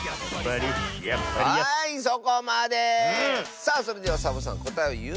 さあそれではサボさんこたえをいうのである！